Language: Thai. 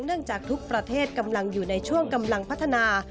จากทุกประเทศกำลังอยู่ในช่วงกำลังพัฒนา